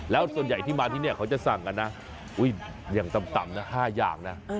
แล้วส่วนใหญ่ที่มาที่นี่เขาจะสั่งกันนะอย่างต่ำนะ๕อย่างนะ